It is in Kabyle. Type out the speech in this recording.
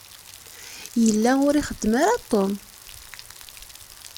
Yella ur ixeddem kra Tom.